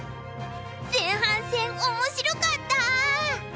前半戦面白かった！